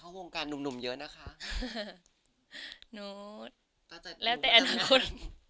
เขาห่วงการหนุ่มเยอะนะคะหนูแล้วแต่อนาคต